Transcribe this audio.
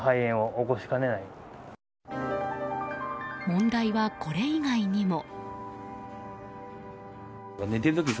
問題は、これ以外にも。